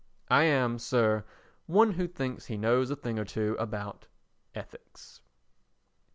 I am, Sir, One who thinks he knows a thing or two about ETHICS.